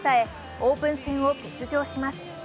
オープン戦を欠場します。